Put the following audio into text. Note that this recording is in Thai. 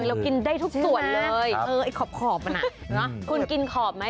เรากินได้ทุกส่วนเลยเออไอ้ขอบมันอ่ะถูกเหรอคุณกินขอบไหม